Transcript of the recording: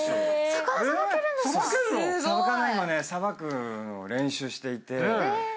魚今さばくのを練習していて。